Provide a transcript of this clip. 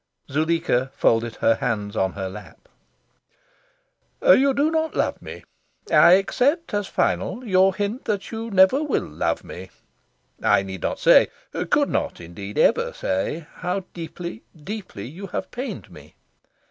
Zuleika folded her hands on her lap. "You do not love me. I accept as final your hint that you never will love me. I need not say could not, indeed, ever say how deeply, deeply you have pained me.